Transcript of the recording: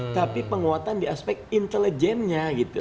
tapi penguatan di aspek intelijennya gitu